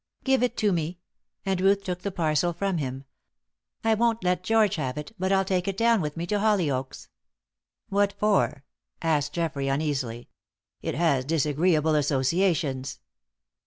"Give it to me," and Ruth took the parcel from him. "I won't let George have it, but I'll take it down with me to Hollyoaks." "What for?" asked Geoffrey, uneasily. "It has disagreeable associations."